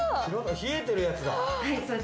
冷えてるやつだ。